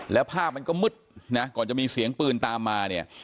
แล้วภาพมันก็มืดนะก่อนจะมีเสียงปืนตามมาเนี่ย